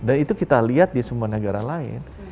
dan itu kita lihat di semua negara lain